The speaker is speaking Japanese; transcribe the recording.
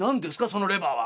そのレバーは」。